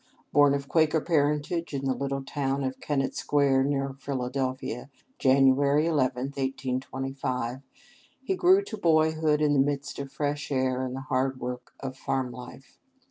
Born of Quaker parentage in the little town of Kennett Square, near Philadelphia, Jan. 11, 1825, he grew to boyhood in the midst of fresh air and the hard work of farm life.